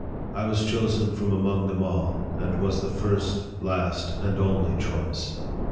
I was chosen from among them all, and was the first, last, and only choice.